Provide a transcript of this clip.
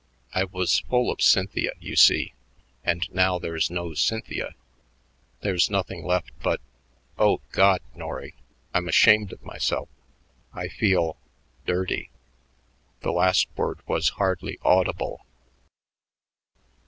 I was full of Cynthia, you see, and now there's no Cynthia. There's nothing left but oh, God, Norry, I'm ashamed of myself. I feel dirty." The last word was hardly audible.